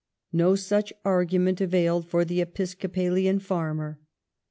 No such argument availed for the Episcopalian farmer.